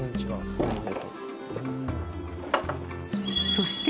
そして、